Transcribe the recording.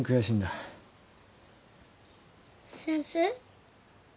先生？